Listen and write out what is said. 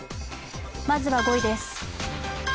まずは５位です。